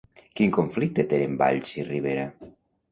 Quin conflicte tenen Valls i Rivera?